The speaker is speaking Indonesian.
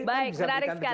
baik menarik sekali